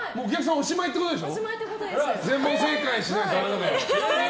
おしまいってことです。